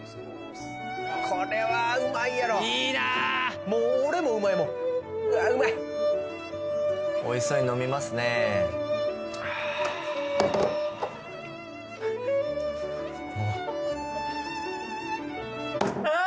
これはうまいやろいいなーもう俺もうまいもんうわうまいおいしそうに飲みますねああーああー！